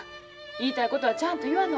言いたいことはちゃんと言わな。